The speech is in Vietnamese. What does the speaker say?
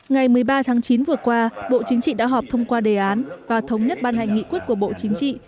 ngày một mươi ba tháng chín vừa qua bộ chính trị đã họp thông qua đề án và thống nhất ban hành nghị quyết của bộ chính trị